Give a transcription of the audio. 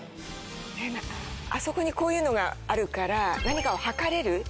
あそこにこういうのがあるから何かをはかれる？